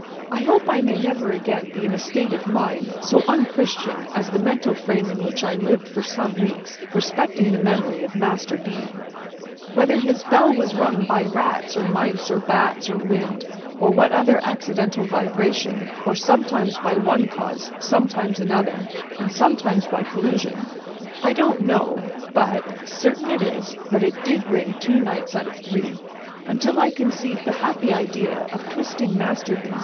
I hope I may never again be in a state of mind so unchristian as the mental frame in which I lived for some weeks, respecting the memory of Master B. Whether his bell was rung by rats, or mice, or bats, or wind, or what other accidental vibration, or sometimes by one cause, sometimes another, and sometimes by collusion, I don't know; but, certain it is, that it did ring two nights out of three, until I conceived the happy idea of twisting Master B.